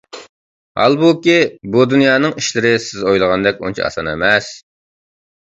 ھالبۇكى، بۇ دۇنيانىڭ ئىشلىرى سىز ئويلىغاندەك ئۇنچە ئاسان ئەمەس.